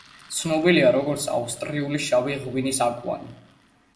ცნობილია როგორც ავსტრიული შავი ღვინის აკვანი.